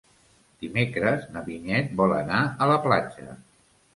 Dimecres na Vinyet vol anar a la platja.